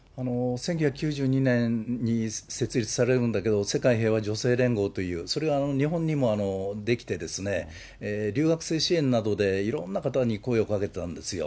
１９９２年に設立されるんだけれども、世界平和女性連合という、それは日本にも出来てですね、留学生支援などでいろんな方に声をかけてたんですよ。